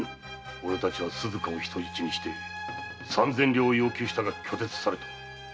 おれは鈴加を人質にし三千両を要求したが拒絶された。